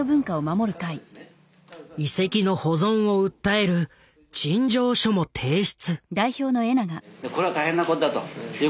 遺跡の保存を訴える陳情書も提出。